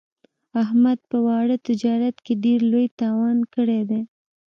احمد په واړه تجارت کې ډېر لوی تاوان کړی دی.